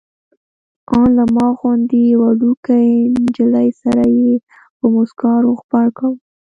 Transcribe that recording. ان له ما غوندې وړوکې نجلۍ سره یې په موسکا روغبړ کاوه.